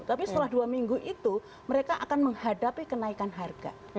tapi setelah dua minggu itu mereka akan menghadapi kenaikan harga